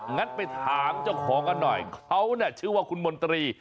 งั้นไปถามเจ้าของกันหน่อยเขาชื่อว่าคุณมนตรี